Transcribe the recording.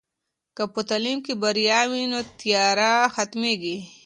که په تعلیم کې بریا وي، نو تیاره ختمېږي.